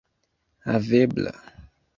havebla